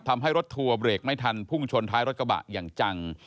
ทำให้รถทัวร์เบรกไม่ทันพุ่งชนท้ายรถกระบะอย่างจัง